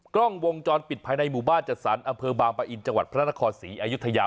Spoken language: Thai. กล้องวงจรปิดภายในหมู่บ้านจัดสรรอำเภอบางปะอินจังหวัดพระนครศรีอายุทยา